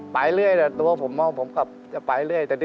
ไปเรื่อยแต่ตัวผมเอาผมก็จะไปเรื่อยแต่นี้